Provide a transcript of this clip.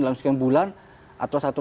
dilangsungkan bulan atau satu